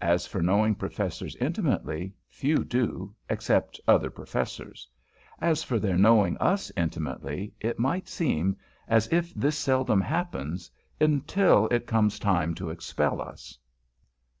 As for knowing Professors intimately, few do, except other Professors. As for their knowing us intimately, it might seem as if this seldom happens, until it comes time to expel us.